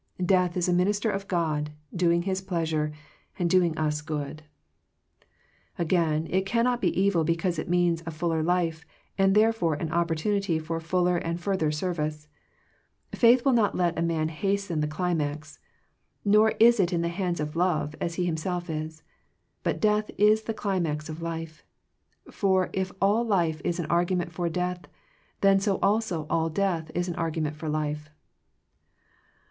Death is a minister of God, doing His pleasure, and doing us good. 124 Digitized by VjOOQIC THE ECLIPSE OF FRIENDSHIP Again, it cannot be evil because it means a fuller life, and therefore an op portunity for fuller and further service. Faith will not let a man hasten the cli max; for it is in the hands of love, as he himself is. But death is the climax of life. For if all life is an argument for death, then so also all death is an argu ment for life.